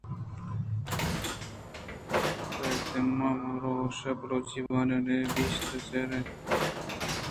پاتما ءُ ماھروش بلوچی وانگ ءُ نبیسّگ ءَ زبر اَنت۔